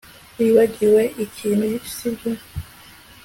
Wibagiwe ikintu sibyo